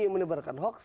yang menyebarkan hoax